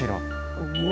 うわ！